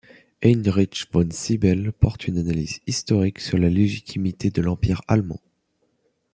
Heinrich von Sybel porte une analyse historique sur la légitimité de l'Empire allemand.